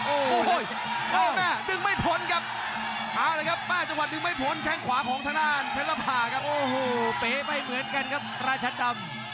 โอ้โหโอ้โหโอ้โหโอ้โหโอ้โห